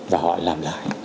và họ làm lại